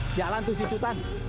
sialan tuh si sutan